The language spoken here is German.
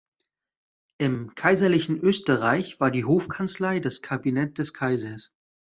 Im kaiserlichen Österreich war die "Hofkanzlei" das Kabinett des Kaisers.